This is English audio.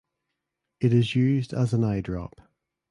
It is used as an eye drop.